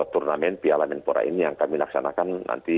turnamen piala menpora ini yang kami laksanakan nanti